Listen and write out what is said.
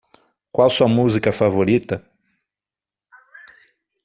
Qual sua música favorita?